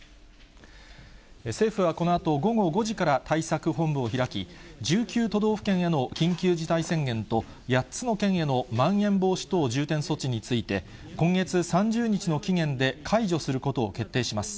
政府はこのあと午後５時から対策本部を開き、１９都道府県への緊急事態宣言と８つの県へのまん延防止等重点措置について、今月３０日の期限で解除することを決定します。